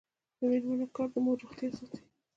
د میرمنو کار د مور روغتیا ساتي.